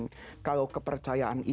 jika anda dapat itu kepercayaan